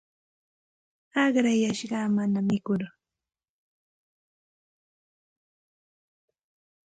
Aqrayashqa mana mikur.